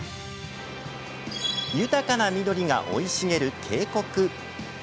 豊かな緑が、生い茂る渓谷。